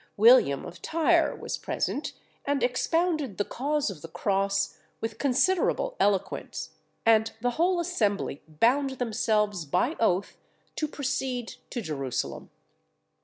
William of Tyre was present, and expounded the cause of the cross with considerable eloquence, and the whole assembly bound themselves by oath to proceed to Jerusalem.